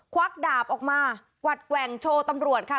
วักดาบออกมากวัดแกว่งโชว์ตำรวจค่ะ